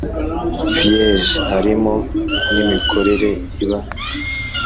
Vyg harimo n imikorere iba